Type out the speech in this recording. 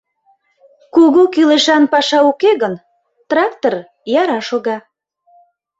Кугу кӱлешан паша уке гын, трактор яра шога.